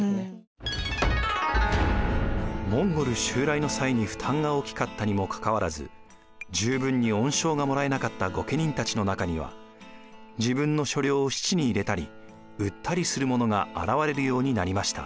モンゴル襲来の際に負担が大きかったにもかかわらず十分に恩賞がもらえなかった御家人たちの中には自分の所領を質に入れたり売ったりする者が現れるようになりました。